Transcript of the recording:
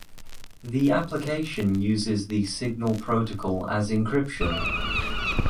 The application uses the Signal Protocol as encryption.